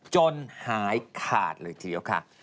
จนหายขาดเลยทีเดียวค่ะ